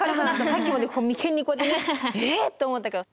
さっきまで眉間にこうやってねえっと思ったけど。